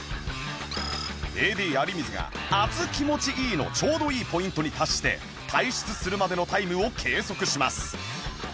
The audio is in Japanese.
ＡＤ 有水が「熱気持ちいい」のちょうどいいポイントに達して退出するまでのタイムを計測します